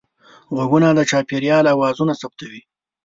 غوږونه د چاپېریال اوازونه ثبتوي